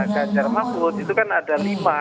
gajar mahmud itu kan ada lima